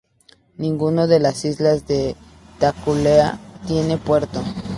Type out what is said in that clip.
Ninguna de las islas de Tokelau tiene puerto.